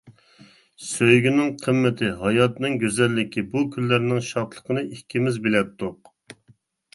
سۆيگۈنىڭ قىممىتى، ھاياتنىڭ گۈزەللىكى، بۇ كۈنلەرنىڭ شادلىقىنى ئىككىمىز بىلەتتۇق.